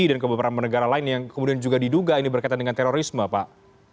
dan ke beberapa negara lain yang kemudian juga diduga ini berkaitan dengan terorisme pak